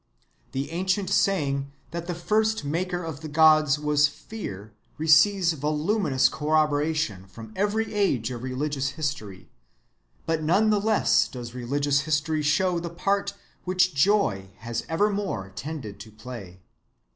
The ancient saying that the first maker of the Gods was fear receives voluminous corroboration from every age of religious history; but none the less does religious history show the part which joy has evermore tended to play.